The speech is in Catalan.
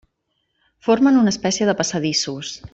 Formen una espècie de passadissos.